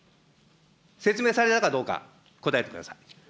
説明されたかどうか、答えてください。